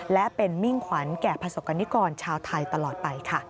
และเป็นมิ่งขวัญแก่ประสบกรณิกรชาวไทยตลอดไปค่ะ